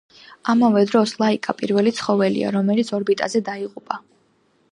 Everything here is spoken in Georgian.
ამავე დროს, ლაიკა პირველი ცხოველია, რომელიც ორბიტაზე დაიღუპა.